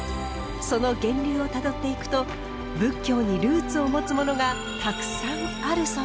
その源流をたどっていくと仏教にルーツを持つものがたくさんあるそうです。